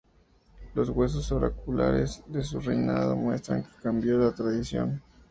Los huesos oraculares de su reinado muestran que cambió la tradición.